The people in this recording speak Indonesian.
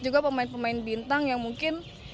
juga pemain pemain bintang yang mungkin